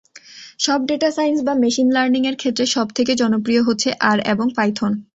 তবে data science বা machine learning এর ক্ষেত্রে সবথেকে জনপ্রিয় হচ্ছে আর এবং পাইথন।